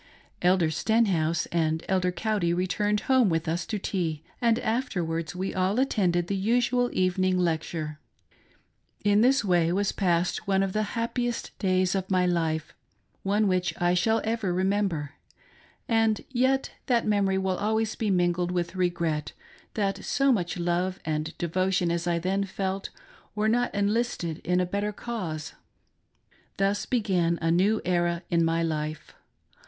Elder Stenhouse and Elder Cowdy returned home with us to tea, and afterwards we all attended the usual evening lecture. In this way was passed one of the happiest days of my life — one which I shall ever remember ;— and yet that memory will always be mingled with regret that so much love and devotion as I then felt were not enlisted in a better cause. Thus began a new era in my life.